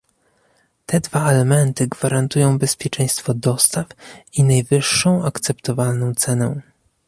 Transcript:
Te dwa elementy gwarantują bezpieczeństwo dostaw i najwyższą akceptowalną cenę